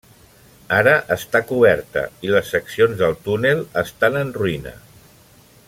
Ara està coberta, i les seccions del túnel estan en ruïna.